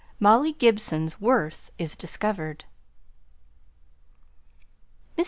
MOLLY GIBSON'S WORTH IS DISCOVERED.